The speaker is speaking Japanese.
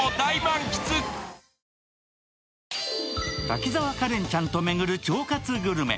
滝沢カレンちゃんと巡る腸活グルメ。